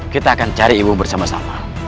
kita akan cari ibu bersama sama